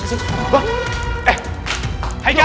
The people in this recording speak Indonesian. lagi ngejar maling pak